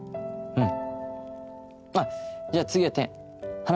うん。